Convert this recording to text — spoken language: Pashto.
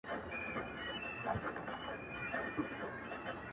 كله كله به ښكار پاته تر مابين سو،